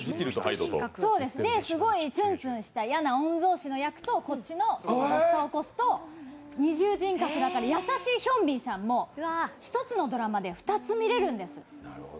すごいツンツンした嫌な御曹司の役とこっちの発作を起こすと二重人格だから、優しいヒョンビンさんも１つのドラマで２つ見れるんです。